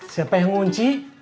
siapa yang ngunci